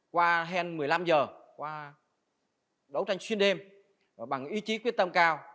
qua hèn một mươi năm h qua đấu tranh xuyên đêm bằng ý chí quyết tâm cao